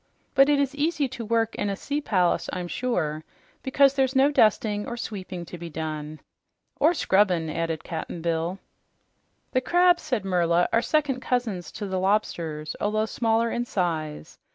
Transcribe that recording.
But it is easy to work in a sea palace, I'm sure, because there's no dusting or sweeping to be done." "Or scrubbin'," added Cap'n Bill. "The crabs," said Merla, "are second cousins to the lobsters, although much smaller in size.